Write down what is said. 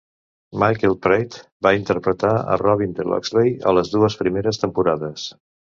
Michael Praed va interpretar a Robin de Loxley en les dues primeres temporades.